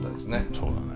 そうだね。